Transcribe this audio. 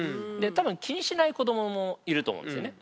多分気にしない子どももいると思うんですよね。